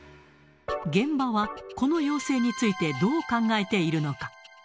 現場はこの要請についてどう考えているのか。